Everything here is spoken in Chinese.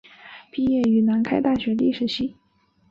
毕业于南开大学历史系。